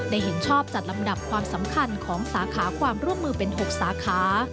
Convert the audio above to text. เห็นชอบจัดลำดับความสำคัญของสาขาความร่วมมือเป็น๖สาขา